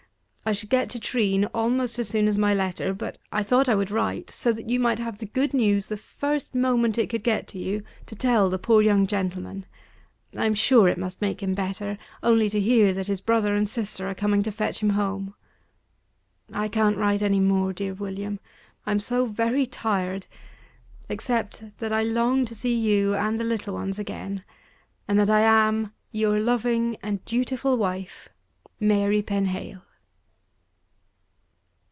I shall get to Treen almost as soon as my letter; but I thought I would write, so that you might have the good news, the first moment it could get to you, to tell the poor young gentleman. I'm sure it must make him better, only to hear that his brother and sister are coming to fetch him home. I can't write any more, dear William, I'm so very tired; except that I long to see you and the little ones again; and that I am, Your loving and dutiful wife, MARY PENHALE.